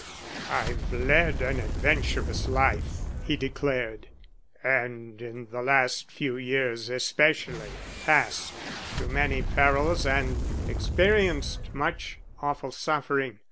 "I've led an adventurous life," he declared, "and, in the last few years especially, passed through many perils and experienced much awful suffering.